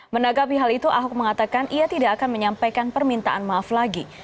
menanggapi hal itu ahok mengatakan ia tidak akan menyampaikan permintaan maaf lagi